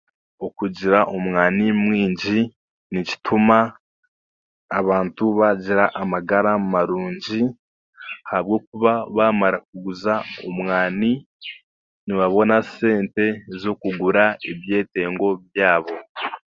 Okugira omwani mwingi, nikituma abantu baagira amagara marungi ahabwokuba baamara kuguza omwani nibabona sente zokugura ebyetengo byabo.